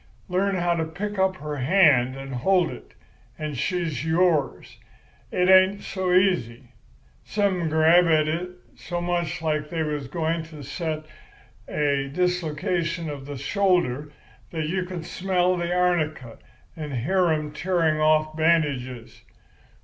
Learn how to pick up her hand and hold it, and she's yours. It ain't so easy. Some men grab at it so much like they was going to set a dislocation of the shoulder that you can smell the arnica and hear 'em tearing off bandages.